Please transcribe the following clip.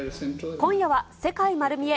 今夜は、世界まる見え！